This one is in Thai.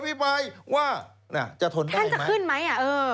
อภิปรายว่าน่ะจะทนได้ไหมแทนจะขึ้นไหมเออ